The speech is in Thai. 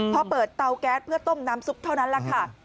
พอเปิดเตาแก๊สเพื่อต้มน้ำซุปเท่านั้นแหละค่ะ